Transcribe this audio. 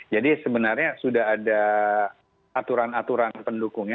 jadi sebenarnya sudah ada aturan aturan pendukungnya